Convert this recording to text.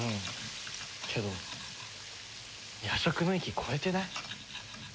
けど夜食の域越えてない？